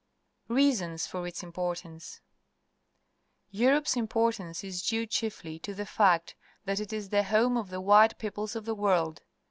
Reasons for its Importance. — Europe's im portance is due chiefly to the fact that it is the home of the white peoples of the world.